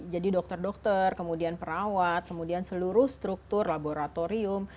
jadi dokter dokter kemudian perawat kemudian seluruh struktur laboratorium